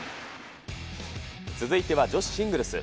続いては女子シングルス。